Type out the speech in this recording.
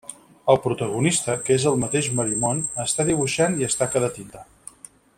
El protagonista, que és el mateix Marimon, està dibuixant i es taca de tinta.